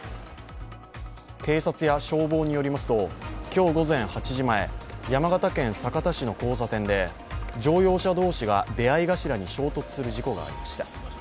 警察や消防によりますと、今日午前８時前、山形県酒田市の交差点で乗用車同士が出会い頭に衝突する事故がありました。